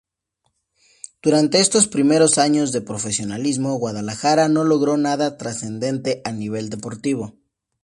Durante estos primeros años de profesionalismo, Guadalajara no logró nada trascendente a nivel deportivo.